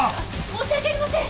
申し訳ありません！